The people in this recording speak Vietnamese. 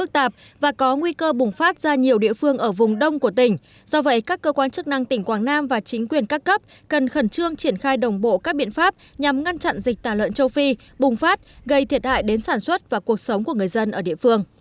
tại thôn bào bình xã bình tỉnh quảng nam là địa phương mới phát hiện dịch tả lợn châu phi với tám hộ chăn nuôi nhỏ lẻ